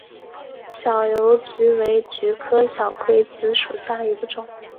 小油菊为菊科小葵子属下的一个种。